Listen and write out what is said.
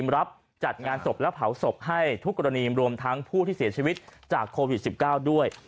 รับจัดงานศพและเผาศพให้ทุกกรณีรวมทั้งผู้ที่เสียชีวิตจากโควิด๑๙ด้วย